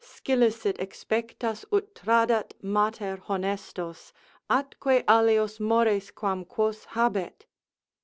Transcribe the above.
Scilicet expectas ut tradat mater honestos Atque alios mores quam quos habet?